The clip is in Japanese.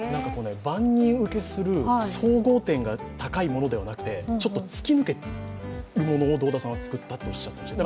万人受けする総合点が高いものではなくてちょっと突き抜けているものを堂田さんは造ったとおっしゃっていました。